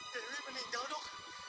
dewi meninggal dok